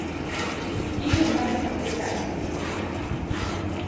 Kilo mar nyathi rach ahinya.